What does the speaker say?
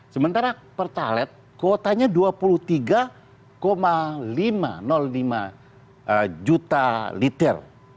sementara per talet kuotanya dua puluh tiga lima juta liter